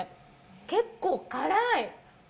結構辛い！